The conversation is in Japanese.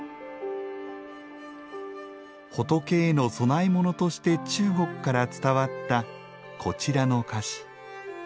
仏への供え物として中国から伝わったこちらの菓子。